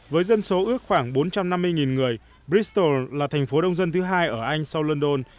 với dân số ước khoảng bốn trăm năm mươi người bristo là thành phố đông dân thứ hai ở anh sau london